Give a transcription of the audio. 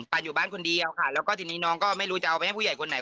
อยู่บ้านคนเดียวค่ะแล้วก็ทีนี้น้องก็ไม่รู้จะเอาไปให้ผู้ใหญ่คนไหน